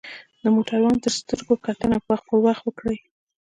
د موټروان د سترګو کتنه وخت پر وخت وکړئ.